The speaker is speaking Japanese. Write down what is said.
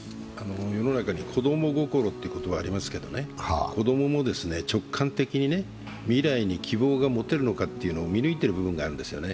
世の中に「子供心」という言葉がありますけどね、子供も直感的に未来に希望が持てるのかというのを見抜いてる部分があるんですよね。